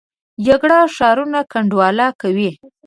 جګړه ښارونه کنډواله کوي